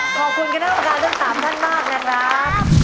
ขอบคุณกับทุกคนทั้ง๓ชั้นมากนะครับ